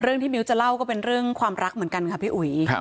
ที่มิ้วจะเล่าก็เป็นเรื่องความรักเหมือนกันค่ะพี่อุ๋ย